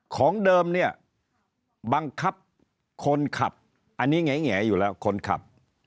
ของเดิมเนี่ยบังคับคนขับอันนี้แง่อยู่แล้วคนขับ